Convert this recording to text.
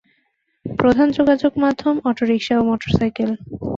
প্রধান যোগাযোগ মাধ্যম অটোরিক্সা ও মোটর সাইকেল।